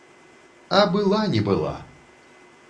А была не была!